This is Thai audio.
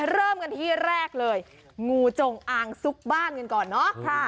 เริ่มกันที่แรกเลยงูจงอางซุกบ้านกันก่อนเนาะ